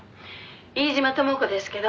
飯島智子ですけど」